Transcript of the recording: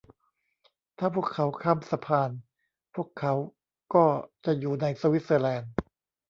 ถ้าพวกเขาข้ามสะพาน พวกเขาก็จะอยู่ในสวิสเซอร์แลนด์